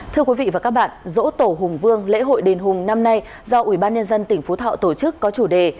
thưa quý vị và các bạn dỗ tổ hùng vương lễ hội đền hùng năm nay do ubnd tỉnh phú thọ tổ chức có chủ đề